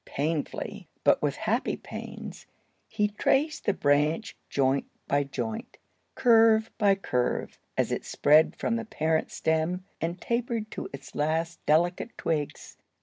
Painfully, but with happy pains, he traced the branch joint by joint, curve by curve, as it spread from the parent stem and tapered to its last delicate twigs.